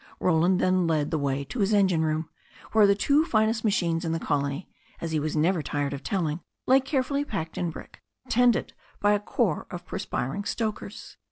Roland then led the way to his engine room, where the two finest machines in the colony, as he was never tired of telling, lay carefully packed in brick, tended by a corps of perspiring stokers.